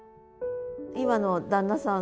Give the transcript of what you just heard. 今の旦那さん